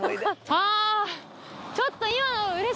あちょっと。